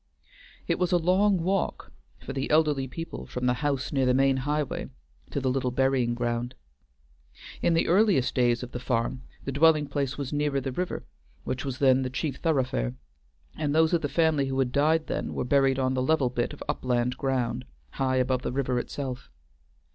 It was a long walk for the elderly people from the house near the main highway to the little burying ground. In the earliest days of the farm the dwelling place was nearer the river, which was then the chief thoroughfare; and those of the family who had died then were buried on the level bit of upland ground high above the river itself.